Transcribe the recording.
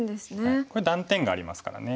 これ断点がありますからね。